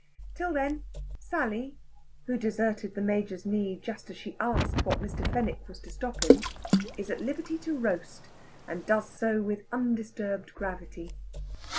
Till then, Sally, who deserted the Major's knee just as she asked what Mr. Fenwick was to stop in, is at liberty to roast, and does so with undisturbed gravity.